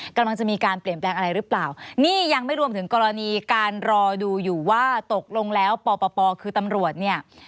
กำลังจะมีการเปลี่ยนแปลงอะไรหรือเปล่านี่ยังไม่รวมถึงกรณีการรอดูอยู่ว่าตกลงแล้วปปคือตำรวจเนี่ย